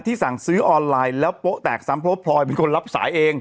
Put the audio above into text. สั่งซื้อออนไลน์แล้วโป๊ะแตกซ้ำเพราะว่าพลอยเป็นคนรับสายเอง